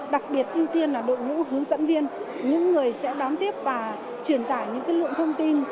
đặc biệt ưu tiên là đội ngũ hướng dẫn viên những người sẽ đón tiếp và truyền tải những lượng thông tin